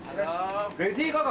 レディー・ガガ？